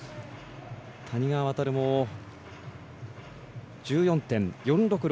谷川航も１４．４６６